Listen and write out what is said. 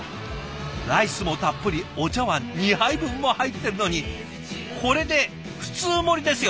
ライスもたっぷりお茶わん２杯分も入ってるのにこれで普通盛りですよ？